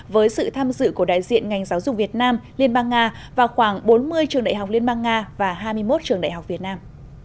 với sự tham dự của đại diện ngành giáo dục việt nam liên bang nga và khoảng bốn mươi trường đại học liên bang nga và hai mươi một trường đại học việt nam